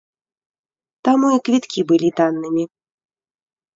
Таму і квіткі былі таннымі.